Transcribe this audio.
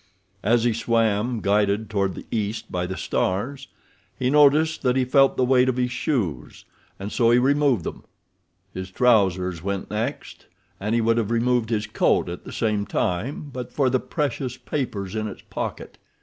As he swam, guided toward the east by the stars, he noticed that he felt the weight of his shoes, and so he removed them. His trousers went next, and he would have removed his coat at the same time but for the precious papers in its pocket.